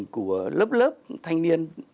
của lớp lớp thanh niên